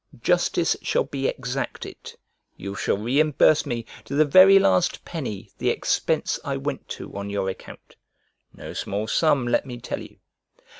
Justice shall be exacted; you shall reimburse me to the very last penny the expense I went to on your account; no small sum, let me tell you.